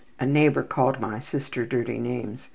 A neighbor called my sister dirty names.